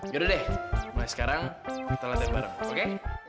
yaudah deh mulai sekarang kita latihan bareng oke